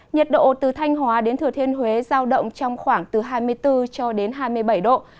nhiệt độ từ thanh hóa đến thừa thiên huế giao động trong khoảng từ hai mươi bốn cho đến hai mươi bảy độ